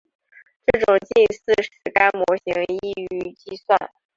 这种近似使该模型易于计算。